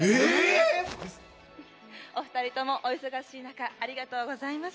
「お２人ともお忙しい中ありがとうございます」